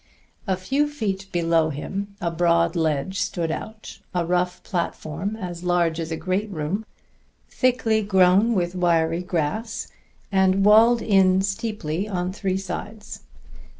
A few feet below him a broad ledge stood out, a rough platform as large as a great room, thickly grown with wiry grass and walled in steeply on three sides.